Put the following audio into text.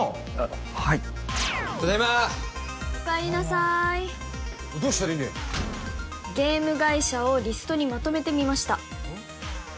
ただいまただいまおかえりなさいおいどうした凜々ゲーム会社をリストにまとめてみましたうん？